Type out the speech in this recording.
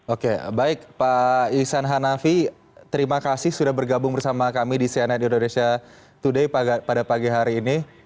oke baik pak ihsan hanafi terima kasih sudah bergabung bersama kami di cnn indonesia today pada pagi hari ini